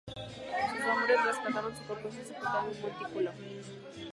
Sus hombres rescataron su cuerpo y fue sepultado en un montículo.